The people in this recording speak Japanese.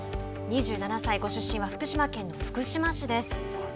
２７歳ご出身は福島県福島市です。